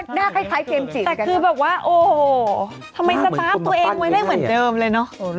หน้าคล้ายเกมจิตเหมือนกันนะครับโอ้โฮทำไมสฟ้าตัวเองไว้ได้เหมือนเดิมเลยเนอะ